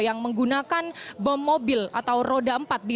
yang menggunakan bom mobil atau roda empat